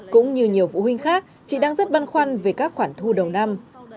cũng như nhiều phụ huynh khác chị đang rất băn khoăn về các khoản thu đầu năm